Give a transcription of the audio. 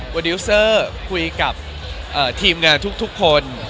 ดิวเซอร์คุยกับทีมงานทุกคน